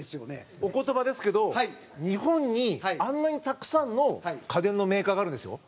お言葉ですけど、日本にあんなにたくさんの家電のメーカーがあるんですよ。